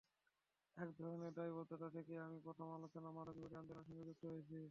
একধরনের দায়বদ্ধতা থেকেই আমি প্রথম আলোর মাদকবিরোধী আন্দোলনের সঙ্গে যুক্ত হয়েছি।